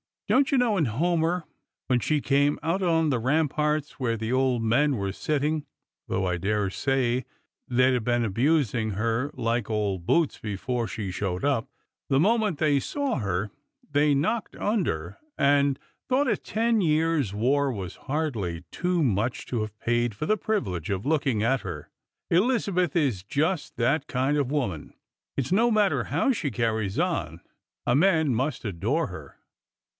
Don't you know in Homer, when she came out on the ramparts where the old men were sitting, though I dare say they'd been abusing her like old boots before the showed up, the moment they saw her they knocked under, and thought a ten years' war was hardly too much to have paid Strangers and Filgrimt. 197 for the privilege of looking at her. Elizabeth is just that kind of woman. It's no matter how she carries on, a man must adore her."